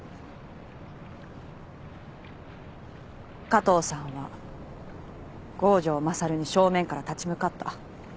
加藤さんは郷城勝に正面から立ち向かった。